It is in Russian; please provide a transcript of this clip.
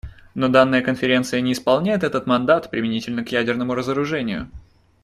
Но данная Конференция не исполняет этот мандат применительно к ядерному разоружению.